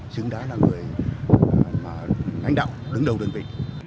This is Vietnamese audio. xứng đáng là người lãnh đạo đứng đầu đơn vị